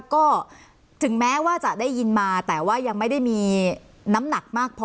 ก็ถึงแม้ว่าจะได้ยินมาแต่ว่ายังไม่ได้มีน้ำหนักมากพอ